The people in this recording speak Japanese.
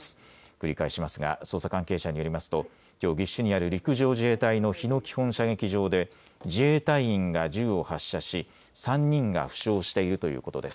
繰り返しますが捜査関係者によりますときょう岐阜市にある陸上自衛隊の日野基本射撃場で自衛隊員が銃を発射し３人が負傷しているということです。